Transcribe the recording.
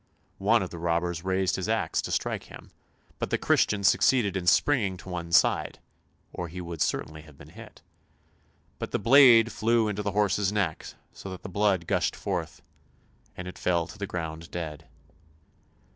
One of the robbers raised his axe to strike him, but the Christian succeeded in springing on one side, or he would certainly have been hit; but the blade flew into the horse's neck, so that the blood gushed forth, and it fell to the ground dead.